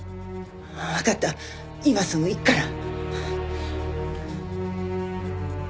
わかった今すぐ行くから。